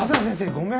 ごめん